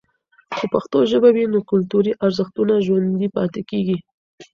که پښتو ژبه وي، نو کلتوري ارزښتونه ژوندۍ پاتې کیږي.